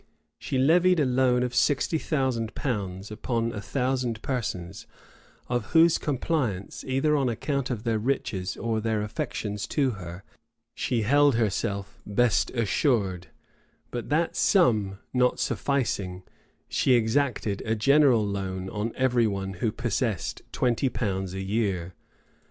She levied a loan of sixty thousand pounds upon a thousand persons, of whose compliance, either on account of their riches or their affections to her, she held herself best assured: but that sum not sufficing, she exacted a general loan on every one who possessed twenty pounds a year.